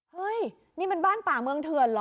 เฮ้ยนี่มันบ้านป่าเมืองเถื่อนเหรอ